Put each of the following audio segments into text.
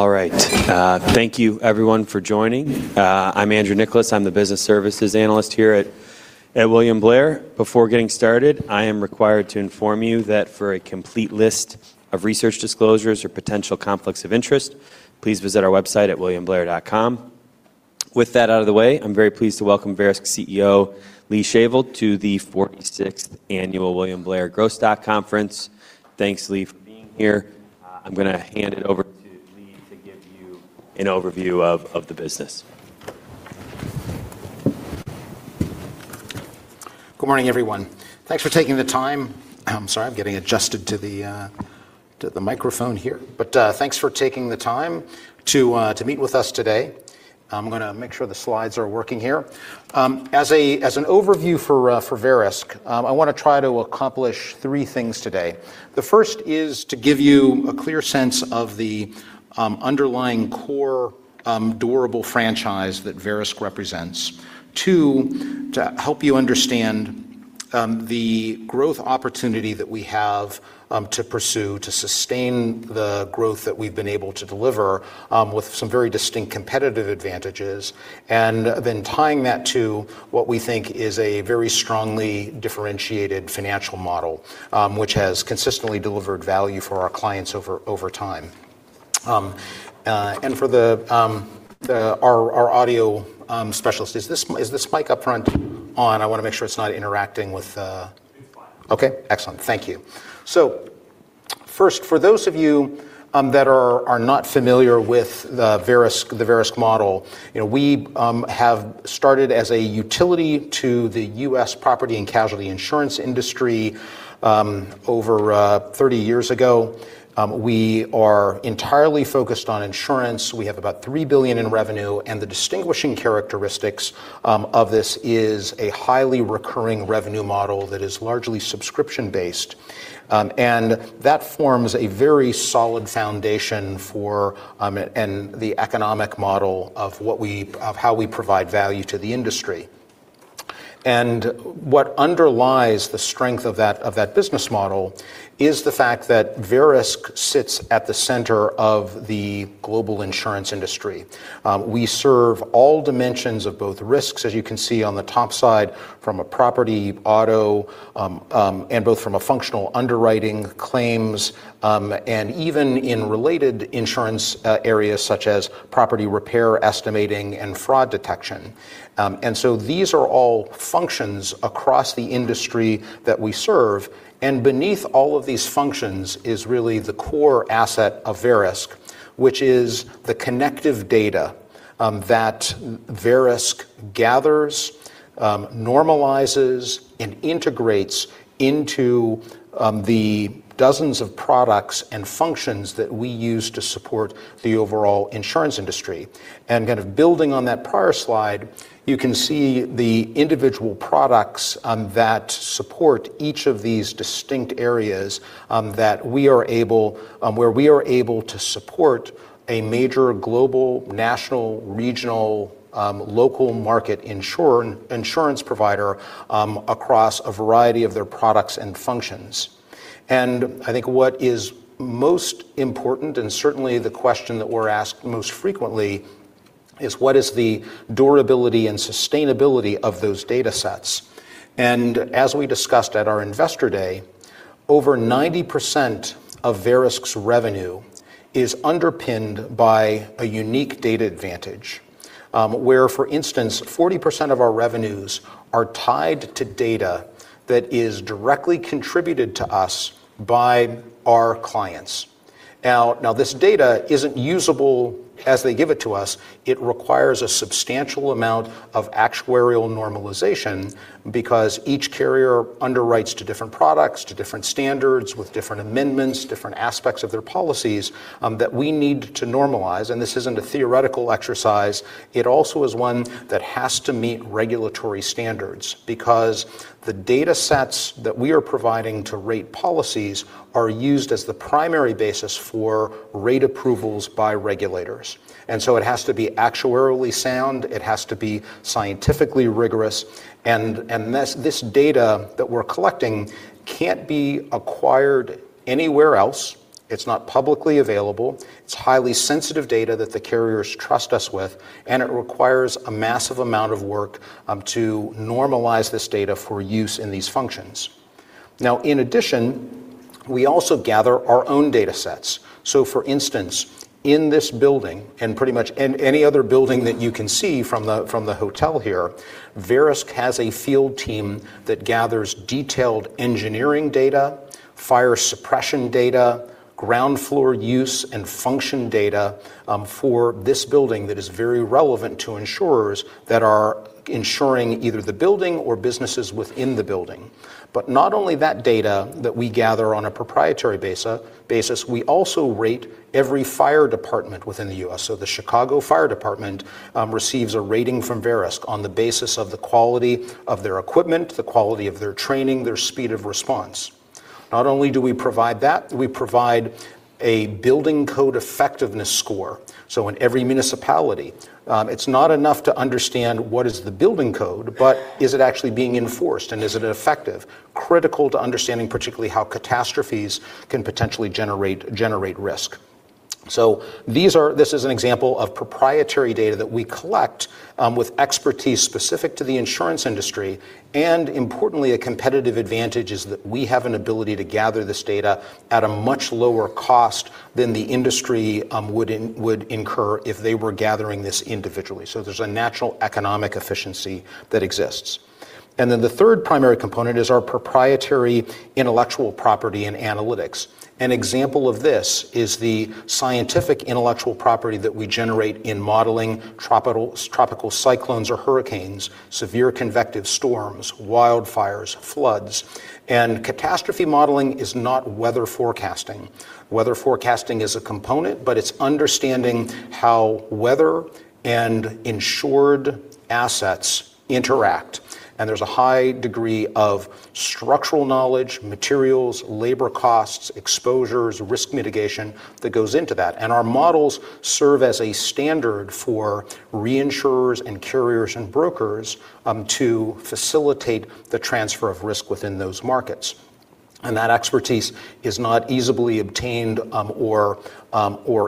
All right. Thank you everyone for joining. I'm Andrew Nicholas. I'm the business services analyst here at William Blair. Before getting started, I am required to inform you that for a complete list of research disclosures or potential conflicts of interest, please visit our website at williamblair.com. With that out of the way, I'm very pleased to welcome Verisk CEO Lee Shavel to the 46th Annual William Blair Growth Stock Conference. Thanks, Lee, for being here. I'm going to hand it over to Lee to give you an overview of the business. Good morning, everyone. Thanks for taking the time. I'm sorry, I'm getting adjusted to the microphone here. Thanks for taking the time to meet with us today. I'm going to make sure the slides are working here. As an overview for Verisk, I want to try to accomplish three things today. The first is to give you a clear sense of the underlying core durable franchise that Verisk represents. Two, to help you understand the growth opportunity that we have to pursue to sustain the growth that we've been able to deliver with some very distinct competitive advantages, then tying that to what we think is a very strongly differentiated financial model, which has consistently delivered value for our clients over time. For our audio specialists, is this mic up front on? I want to make sure it's not interacting with. It's fine. Okay. Excellent. Thank you. First, for those of you that are not familiar with the Verisk model, we have started as a utility to the U.S. property and casualty insurance industry over 30 years ago. We are entirely focused on insurance. We have about $3 billion in revenue, the distinguishing characteristics of this is a highly recurring revenue model that is largely subscription-based. That forms a very solid foundation and the economic model of how we provide value to the industry. What underlies the strength of that business model is the fact that Verisk sits at the center of the global insurance industry. We serve all dimensions of both risks, as you can see on the top side, from a property, auto, and both from a functional underwriting claims, and even in related insurance areas such as property repair estimating, and fraud detection. These are all functions across the industry that we serve. Beneath all of these functions is really the core asset of Verisk, which is the connective data that Verisk gathers, normalizes, and integrates into the dozens of products and functions that we use to support the overall insurance industry. Building on that prior slide, you can see the individual products that support each of these distinct areas where we are able to support a major global, national, regional, local market insurance provider across a variety of their products and functions. I think what is most important, and certainly the question that we're asked most frequently, is what is the durability and sustainability of those data sets? As we discussed at our investor day, over 90% of Verisk's revenue is underpinned by a unique data advantage, where, for instance, 40% of our revenues are tied to data that is directly contributed to us by our clients. Now, this data isn't usable as they give it to us. It requires a substantial amount of actuarial normalization because each carrier underwrites to different products, to different standards, with different amendments, different aspects of their policies that we need to normalize. This isn't a theoretical exercise. It also is one that has to meet regulatory standards because the data sets that we are providing to rate policies are used as the primary basis for rate approvals by regulators. So it has to be actuarially sound. It has to be scientifically rigorous. This data that we're collecting can't be acquired anywhere else. It's not publicly available. It's highly sensitive data that the carriers trust us with, and it requires a massive amount of work to normalize this data for use in these functions. In addition, we also gather our own data sets. For instance, in this building, and pretty much in any other building that you can see from the hotel here, Verisk has a field team that gathers detailed engineering data, fire suppression data, ground floor use, and function data for this building that is very relevant to insurers that are insuring either the building or businesses within the building. Not only that data that we gather on a proprietary basis, we also rate every fire department within the U.S. The Chicago Fire Department receives a rating from Verisk on the basis of the quality of their equipment, the quality of their training, their speed of response. Not only do we provide that, we provide a building code effectiveness score. In every municipality, it's not enough to understand what is the building code, but is it actually being enforced, and is it effective? Critical to understanding particularly how catastrophes can potentially generate risk. This is an example of proprietary data that we collect with expertise specific to the insurance industry, and importantly, a competitive advantage is that we have an ability to gather this data at a much lower cost than the industry would incur if they were gathering this individually. There's a natural economic efficiency that exists. Then the third primary component is our proprietary intellectual property and analytics. An example of this is the scientific intellectual property that we generate in modeling tropical cyclones or hurricanes, severe convective storms, wildfires, floods. Catastrophe modeling is not weather forecasting. Weather forecasting is a component, but it's understanding how weather and insured assets interact. There's a high degree of structural knowledge, materials, labor costs, exposures, risk mitigation that goes into that. Our models serve as a standard for reinsurers and carriers and brokers to facilitate the transfer of risk within those markets. That expertise is not easily obtained or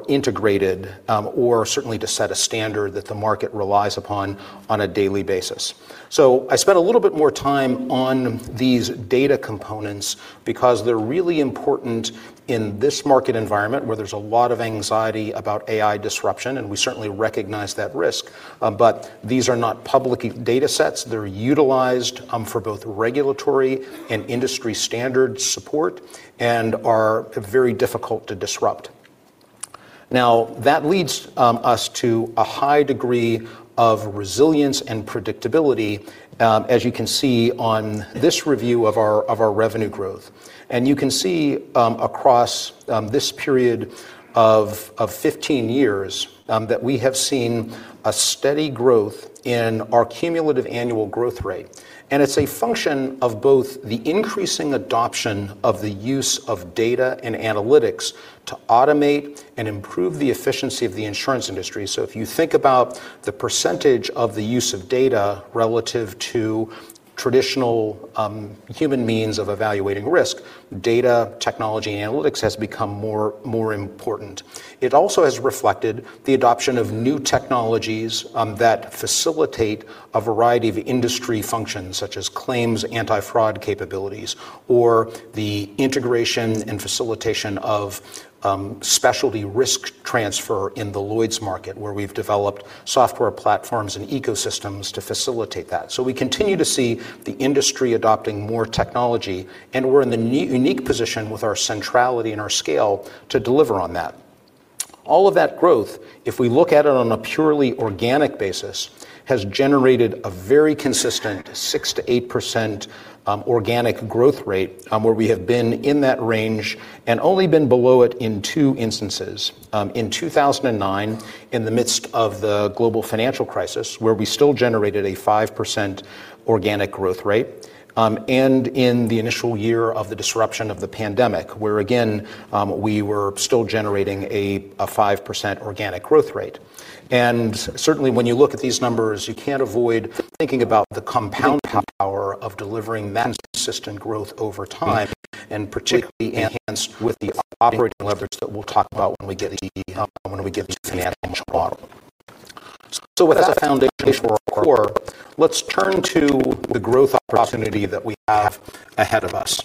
integrated or certainly to set a standard that the market relies upon on a daily basis. I spent a little bit more time on these data components because they're really important in this market environment where there's a lot of anxiety about AI disruption, and we certainly recognize that risk. These are not public data sets. They're utilized for both regulatory and industry standard support and are very difficult to disrupt. That leads us to a high degree of resilience and predictability, as you can see on this review of our revenue growth. You can see across this period of 15 years that we have seen a steady growth in our cumulative annual growth rate. It's a function of both the increasing adoption of the use of data and analytics to automate and improve the efficiency of the insurance industry. If you think about the % of the use of data relative to traditional human means of evaluating risk, data technology and analytics has become more important. It also has reflected the adoption of new technologies that facilitate a variety of industry functions, such as claims anti-fraud capabilities, or the integration and facilitation of specialty risk transfer in the Lloyd's market, where we've developed software platforms and ecosystems to facilitate that. We continue to see the industry adopting more technology, and we're in the unique position with our centrality and our scale to deliver on that. All of that growth if we look at it on a purely organic basis, has generated a very consistent 6%-8% organic growth rate where we have been in that range and only been below it in two instances. In 2009, in the midst of the global financial crisis, where we still generated a 5% organic growth rate and in the initial year of the disruption of the pandemic, where again we were still generating a 5% organic growth rate. Certainly when you look at these numbers, you can't avoid thinking about the compounding power of delivering that consistent growth over time and particularly enhanced with the operating leverage that we'll talk about when we get to the financial model. With that foundation for our core, let's turn to the growth opportunity that we have ahead of us.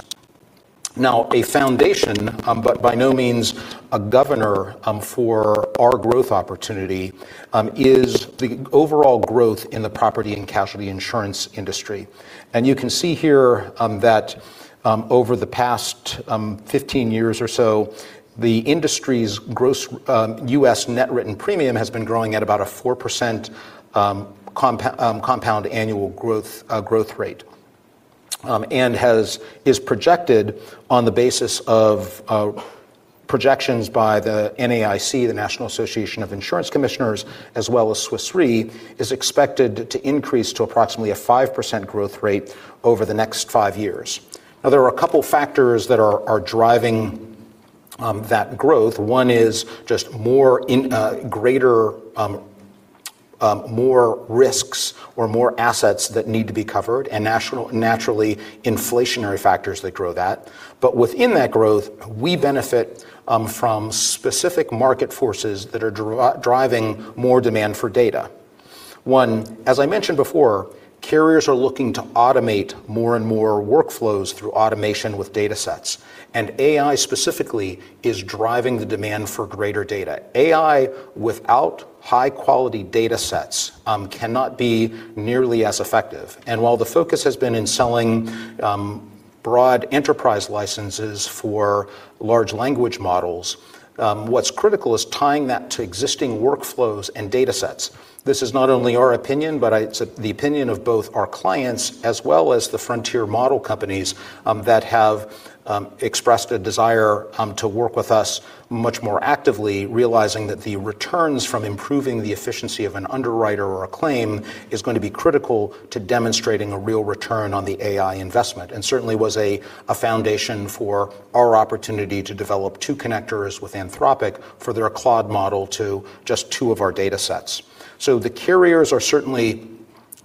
A foundation but by no means a governor for our growth opportunity is the overall growth in the property and casualty insurance industry. You can see here that over the past 15 years or so, the industry's gross U.S. net written premium has been growing at about a 4% compound annual growth rate. Is projected on the basis of projections by the NAIC, the National Association of Insurance Commissioners, as well as Swiss Re, is expected to increase to approximately a 5% growth rate over the next five years. There are a couple of factors that are driving that growth. One is just more risks or more assets that need to be covered and naturally inflationary factors that grow that. Within that growth, we benefit from specific market forces that are driving more demand for data. One, as I mentioned before, carriers are looking to automate more and more workflows through automation with data sets. AI specifically is driving the demand for greater data. AI without high-quality data sets cannot be nearly as effective. While the focus has been in selling broad enterprise licenses for large language models, what's critical is tying that to existing workflows and data sets. This is not only our opinion, but it's the opinion of both our clients as well as the frontier model companies that have expressed a desire to work with us much more actively, realizing that the returns from improving the efficiency of an underwriter or a claim is going to be critical to demonstrating a real return on the AI investment. Certainly was a foundation for our opportunity to develop two connectors with Anthropic for their Claude model to just two of our data sets. The carriers are certainly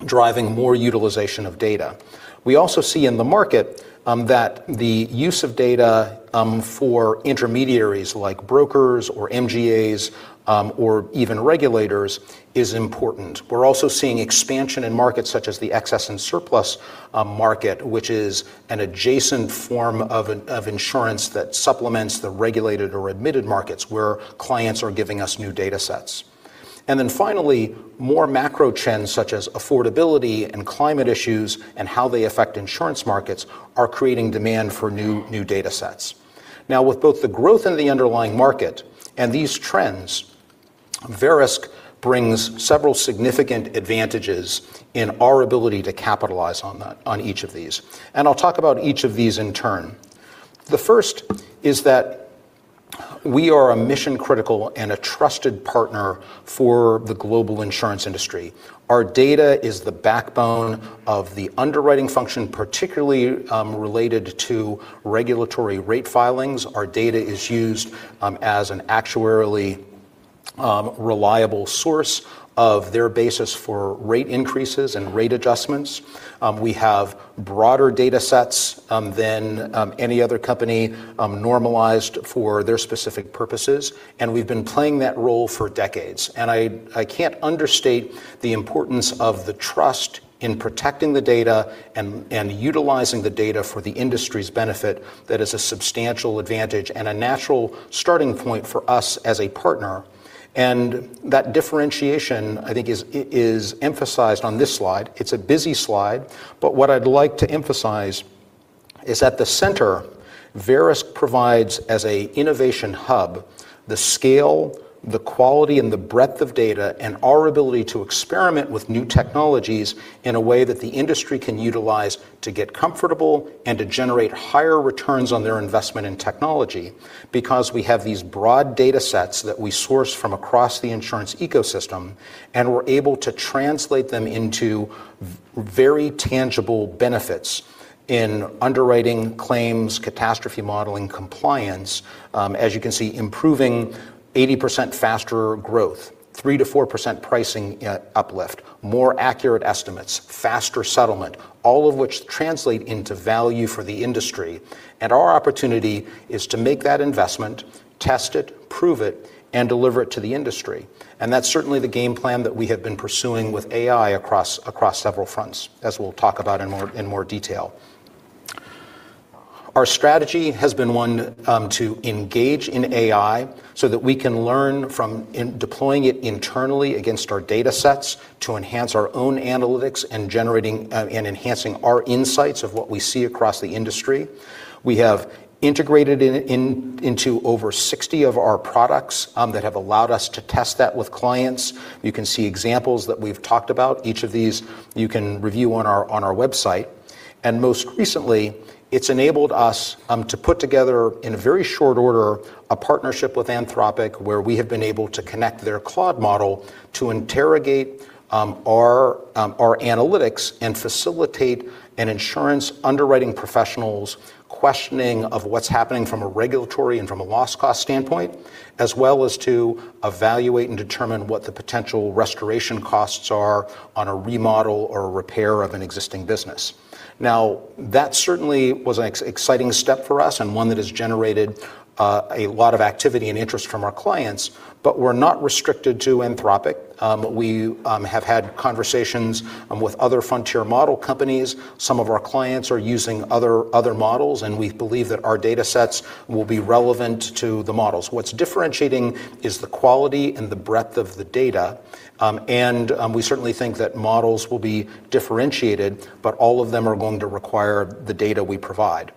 driving more utilization of data. We also see in the market that the use of data for intermediaries like brokers or MGAs or even regulators is important. We are also seeing expansion in markets such as the excess and surplus market, which is an adjacent form of insurance that supplements the regulated or admitted markets where clients are giving us new data sets. Finally, more macro trends such as affordability and climate issues and how they affect insurance markets are creating demand for new data sets. With both the growth in the underlying market and these trends, Verisk brings several significant advantages in our ability to capitalize on each of these. I'll talk about each of these in turn. The first is that we are a mission-critical and a trusted partner for the global insurance industry. Our data is the backbone of the underwriting function, particularly related to regulatory rate filings. Our data is used as an actuarially reliable source of their basis for rate increases and rate adjustments. We have broader data sets than any other company normalized for their specific purposes, and we've been playing that role for decades. I can't understate the importance of the trust in protecting the data and utilizing the data for the industry's benefit that is a substantial advantage and a natural starting point for us as a partner, and that differentiation, I think is emphasized on this slide. It's a busy slide. What I'd like to emphasize is at the center, Verisk provides as an innovation hub, the scale, the quality, and the breadth of data, and our ability to experiment with new technologies in a way that the industry can utilize to get comfortable and to generate higher returns on their investment in technology. We have these broad data sets that we source from across the insurance ecosystem, and we're able to translate them into very tangible benefits in underwriting claims, catastrophe modeling compliance, as you can see, improving 80% faster growth, 3%-4% pricing uplift, more accurate estimates, faster settlement, all of which translate into value for the industry. Our opportunity is to make that investment, test it, prove it, and deliver it to the industry. That's certainly the game plan that we have been pursuing with AI across several fronts, as we'll talk about in more detail. Our strategy has been one to engage in AI so that we can learn from deploying it internally against our data sets to enhance our own analytics and generating and enhancing our insights of what we see across the industry. We have integrated into over 60 of our products that have allowed us to test that with clients. You can see examples that we've talked about. Each of these you can review on our website. Most recently, it's enabled us to put together, in a very short order, a partnership with Anthropic where we have been able to connect their Claude model to interrogate our analytics and facilitate an insurance underwriting professional's questioning of what's happening from a regulatory and from a loss cost standpoint, as well as to evaluate and determine what the potential restoration costs are on a remodel or repair of an existing business. Now, that certainly was an exciting step for us and one that has generated a lot of activity and interest from our clients, but we're not restricted to Anthropic. We have had conversations with other frontier model companies. Some of our clients are using other models, and we believe that our data sets will be relevant to the models. What's differentiating is the quality and the breadth of the data, and we certainly think that models will be differentiated, but all of them are going to require the data we provide.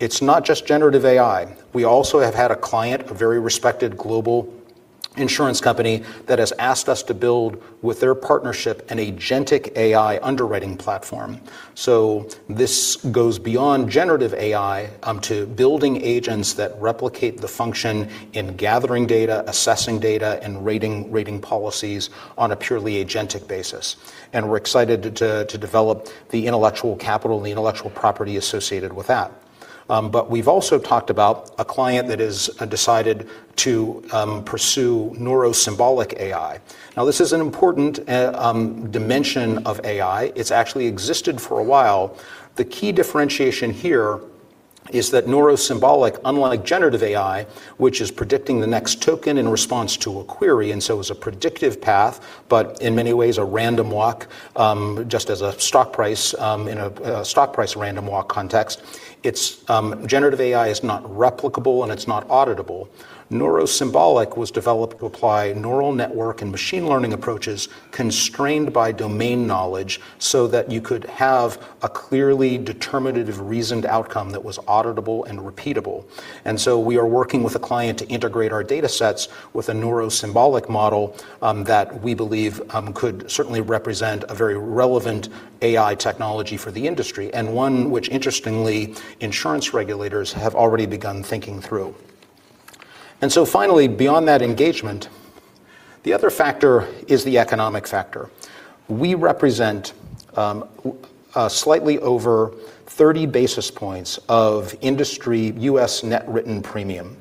It's not just generative AI. We also have had a client, a very respected global insurance company that has asked us to build with their partnership an agentic AI underwriting platform. This goes beyond generative AI to building agents that replicate the function in gathering data, assessing data, and rating policies on a purely agentic basis. We're excited to develop the intellectual capital and the intellectual property associated with that. We've also talked about a client that has decided to pursue neuro-symbolic AI. Now, this is an important dimension of AI. It's actually existed for a while. The key differentiation here is that neuro-symbolic, unlike generative AI, which is predicting the next token in response to a query, and so is a predictive path, but in many ways a random walk, just as a stock price in a stock price random walk context. Generative AI is not replicable, and it's not auditable. Neuro-symbolic was developed to apply neural network and machine learning approaches constrained by domain knowledge so that you could have a clearly determinative reasoned outcome that was auditable and repeatable. We are working with a client to integrate our data sets with a neuro-symbolic model that we believe could certainly represent a very relevant AI technology for the industry, and one which, interestingly, insurance regulators have already begun thinking through. Finally, beyond that engagement, the other factor is the economic factor. We represent slightly over 30 basis points of industry U.S. net written premium.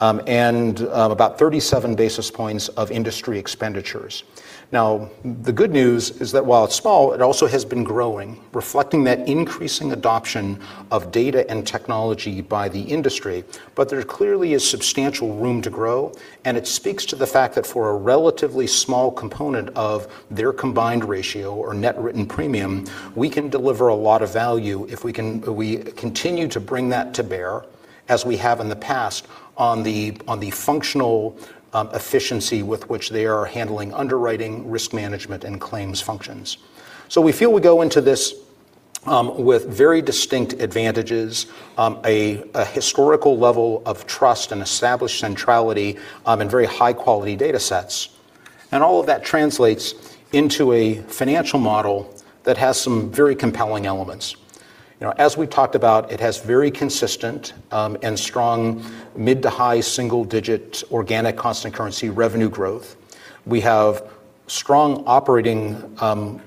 About 37 basis points of industry expenditures. The good news is that while it's small, it also has been growing, reflecting that increasing adoption of data and technology by the industry, but there clearly is substantial room to grow, and it speaks to the fact that for a relatively small component of their combined ratio or net written premium, we can deliver a lot of value if we continue to bring that to bear, as we have in the past, on the functional efficiency with which they are handling underwriting, risk management, and claims functions. We feel we go into this with very distinct advantages, a historical level of trust and established centrality, and very high-quality data sets. All of that translates into a financial model that has some very compelling elements. As we've talked about, it has very consistent and strong mid-to-high single-digit organic constant currency revenue growth. We have strong operating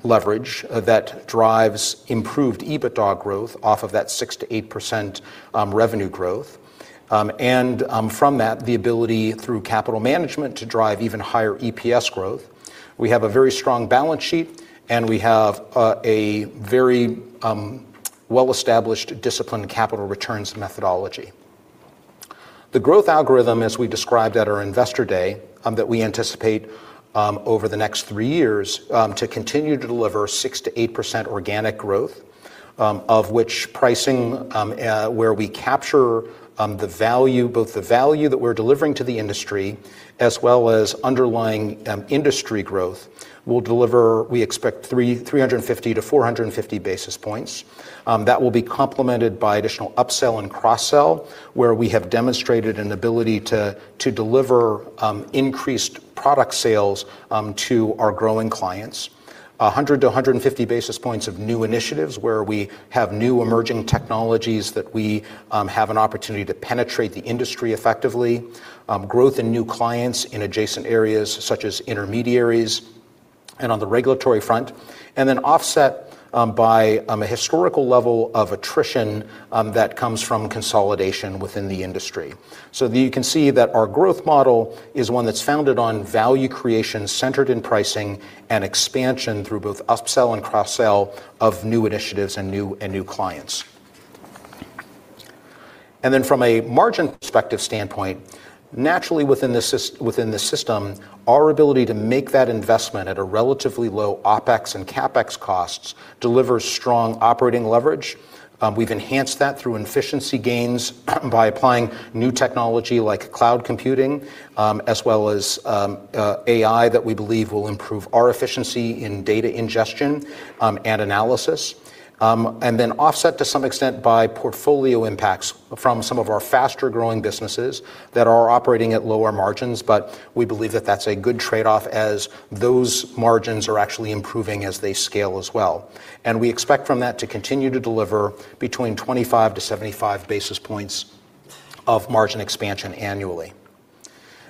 leverage that drives improved EBITDA growth off of that 6%-8% revenue growth. From that, the ability through capital management to drive even higher EPS growth. We have a very strong balance sheet, and we have a very well-established disciplined capital returns methodology. The growth algorithm, as we described at our investor day, that we anticipate over the next three years to continue to deliver 6%-8% organic growth, of which pricing, where we capture both the value that we're delivering to the industry as well as underlying industry growth, will deliver, we expect, 350 basis points-450 basis points. That will be complemented by additional upsell and cross-sell, where we have demonstrated an ability to deliver increased product sales to our growing clients. 100 basis points-150 basis points of new initiatives where we have new emerging technologies that we have an opportunity to penetrate the industry effectively. Growth in new clients in adjacent areas such as intermediaries and on the regulatory front. Offset by a historical level of attrition that comes from consolidation within the industry. You can see that our growth model is one that's founded on value creation centered in pricing and expansion through both upsell and cross-sell of new initiatives and new clients. From a margin perspective standpoint, naturally within the system, our ability to make that investment at a relatively low OpEx and CapEx costs delivers strong operating leverage. We've enhanced that through efficiency gains by applying new technology like cloud computing, as well as AI that we believe will improve our efficiency in data ingestion and analysis. Offset to some extent by portfolio impacts from some of our faster-growing businesses that are operating at lower margins, but we believe that that's a good trade-off as those margins are actually improving as they scale as well. We expect from that to continue to deliver between 25 basis points-75 basis points of margin expansion annually.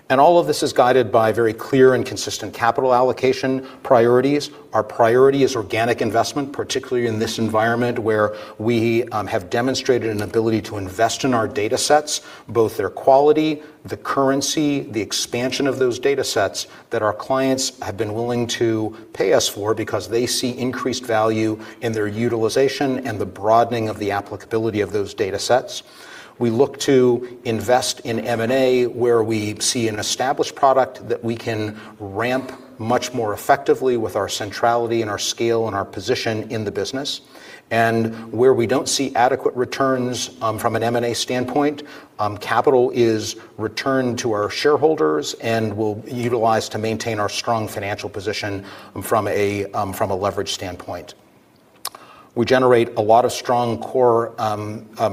All of this is guided by very clear and consistent capital allocation priorities. Our priority is organic investment, particularly in this environment where we have demonstrated an ability to invest in our data sets, both their quality, the currency, the expansion of those data sets that our clients have been willing to pay us for because they see increased value in their utilization and the broadening of the applicability of those data sets. We look to invest in M&A where we see an established product that we can ramp much more effectively with our centrality and our scale and our position in the business. Where we don't see adequate returns from an M&A standpoint, capital is returned to our shareholders and will be utilized to maintain our strong financial position from a leverage standpoint. We generate a lot of strong core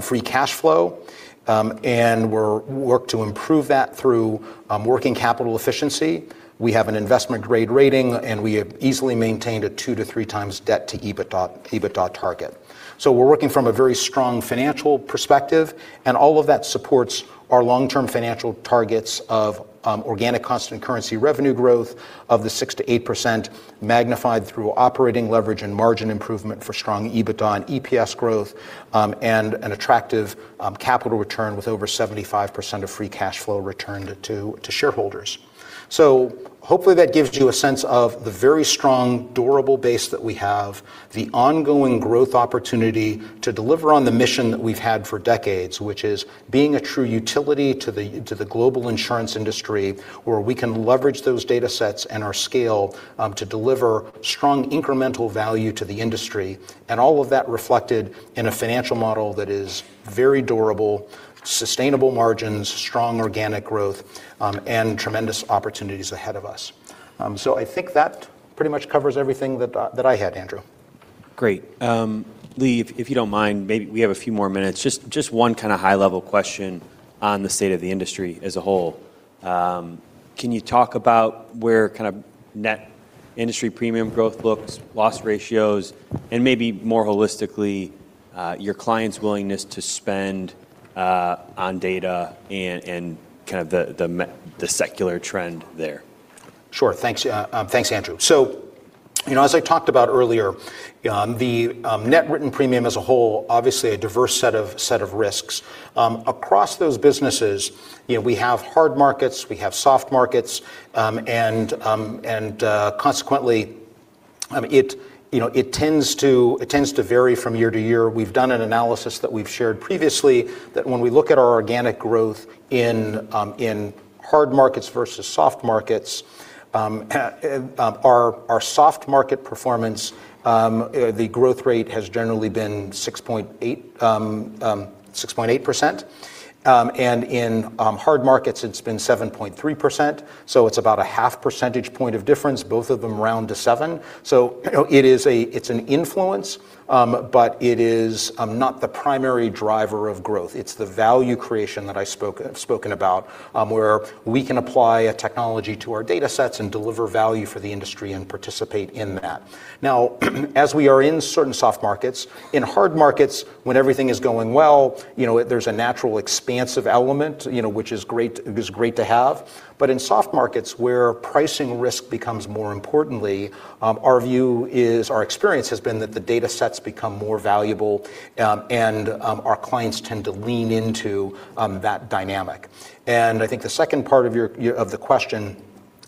free cash flow, and we work to improve that through working capital efficiency. We have an investment-grade rating, and we have easily maintained a 2x-3x debt to EBITDA target. We're working from a very strong financial perspective, and all of that supports our long-term financial targets of organic constant currency revenue growth of the 6%-8%, magnified through operating leverage and margin improvement for strong EBITDA and EPS growth, and an attractive capital return with over 75% of free cash flow returned to shareholders. Hopefully that gives you a sense of the very strong, durable base that we have, the ongoing growth opportunity to deliver on the mission that we've had for decades, which is being a true utility to the global insurance industry, where we can leverage those data sets and our scale to deliver strong incremental value to the industry. All of that reflected in a financial model that is very durable, sustainable margins, strong organic growth, and tremendous opportunities ahead of us. I think that pretty much covers everything that I had, Andrew. Great. Lee, if you don't mind, we have a few more minutes. Just one kind of high-level question on the state of the industry as a whole. Can you talk about where net industry premium growth looks, loss ratios, and maybe more holistically, your clients' willingness to spend on data and the secular trend there? Thanks, Andrew. As I talked about earlier, the net written premium as a whole, obviously a diverse set of risks. Across those businesses, we have hard markets, we have soft markets, consequently, it tends to vary from year to year. We've done an analysis that we've shared previously that when we look at our organic growth in hard markets versus soft markets, our soft market performance, the growth rate has generally been 6.8%, in hard markets, it's been 7.3%. It's about a half percentage point of difference, both of them round to seven. It's an influence, it is not the primary driver of growth. It's the value creation that I've spoken about, where we can apply a technology to our data sets and deliver value for the industry and participate in that. Now, as we are in certain soft markets, in hard markets, when everything is going well, there's a natural expansive element, which is great to have. In soft markets, where pricing risk becomes more importantly, our experience has been that the data sets become more valuable, and our clients tend to lean into that dynamic. I think the second part of the question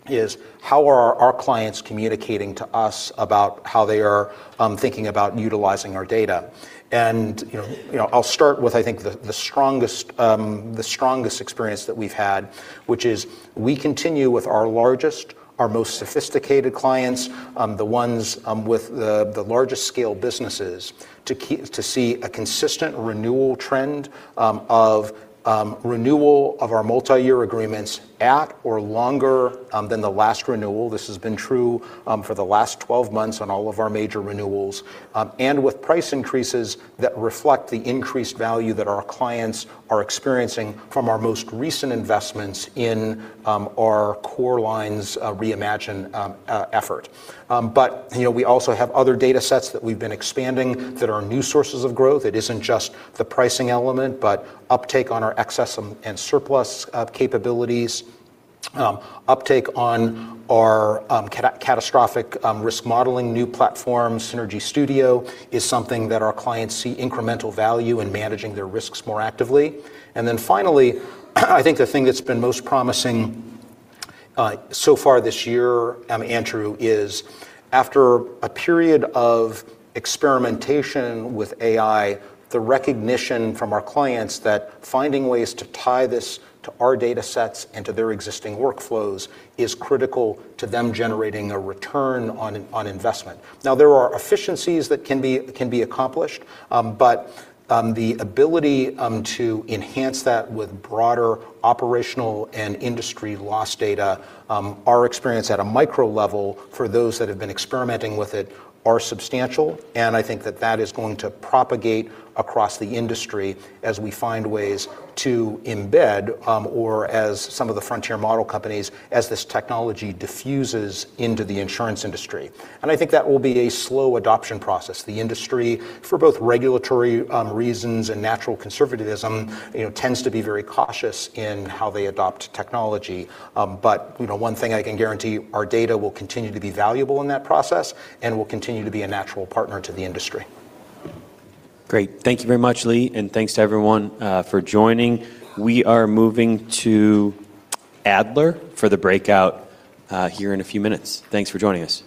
is how are our clients communicating to us about how they are thinking about utilizing our data? I'll start with, I think, the strongest experience that we've had, which is we continue with our largest, our most sophisticated clients, the ones with the largest scale businesses to see a consistent renewal trend of our multi-year agreements at or longer than the last renewal. This has been true for the last 12 months on all of our major renewals. With price increases that reflect the increased value that our clients are experiencing from our most recent investments in our Core Lines Reimagined effort. We also have other data sets that we've been expanding that are new sources of growth. It isn't just the pricing element, but uptake on our excess and surplus capabilities, uptake on our catastrophic risk modeling new platform, Synergy Studio, is something that our clients see incremental value in managing their risks more actively. Finally, I think the thing that's been most promising so far this year, Andrew, is after a period of experimentation with AI, the recognition from our clients that finding ways to tie this to our data sets and to their existing workflows is critical to them generating a return on investment. There are efficiencies that can be accomplished, but the ability to enhance that with broader operational and industry loss data, our experience at a micro level for those that have been experimenting with it are substantial, and I think that that is going to propagate across the industry as we find ways to embed or as some of the frontier model companies as this technology diffuses into the insurance industry. I think that will be a slow adoption process. The industry, for both regulatory reasons and natural conservatism, tends to be very cautious in how they adopt technology. One thing I can guarantee, our data will continue to be valuable in that process and will continue to be a natural partner to the industry. Great. Thank you very much, Lee, and thanks to everyone for joining. We are moving to Adler for the breakout here in a few minutes. Thanks for joining us.